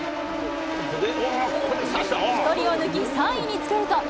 １人を抜き、３位につけると。